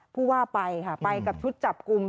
ผู้ว่าไปค่ะไปกับชุดจับกลุ่ม